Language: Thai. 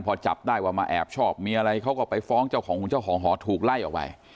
พอจับได้ว่ามาแอบชอบมีอะไรเขาก็ไปฟ้องเจ้าของเจ้าของหอถูกไล่ออกไป